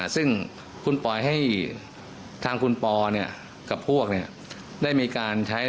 ซึ่งคุณป่อยทางคุณปได้มีการ